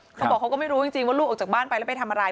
เขาบอกเขาก็ไม่รู้จริงว่าลูกออกจากบ้านไปแล้วไปทำอะไร